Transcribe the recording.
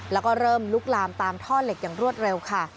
แล้วก็เริ่มลุกลามตามท่อเหล็กอย่างรวดเร็วค่ะ